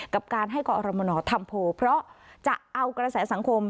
กับการให้กอรมนทำโพลเพราะจะเอากระแสสังคม